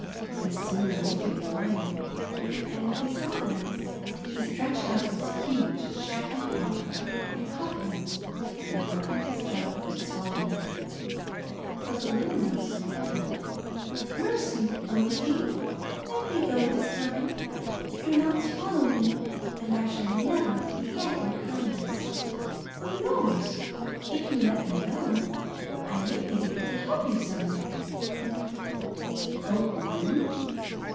This soon awakened the Lion, and when he saw the Mouse, he stretched out his huge, shaggy paw and caught him, then opened his jaws to swallow him. But the little Mouse squeaked out, '*Mercy, O King! Let me go this time! Do not swallow me and I shall never forg'et your kindness. Who knows, if you let me go, I maybe able to help you some day!*' Help me?